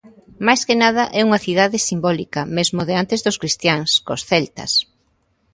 Máis que nada é unha cidade simbólica, mesmo de antes dos cristiáns, cos celtas.